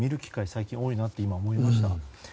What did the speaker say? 最近、多いなと思いました。